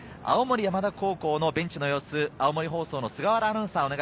青森山田高校のベンチの様子、青森放送の菅原アナウンサー